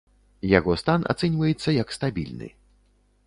Яго стан ацэньваецца як стабільны.